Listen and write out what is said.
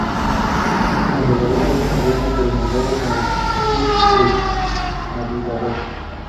Este navegador fue posteriormente renombrado como Netscape Navigator.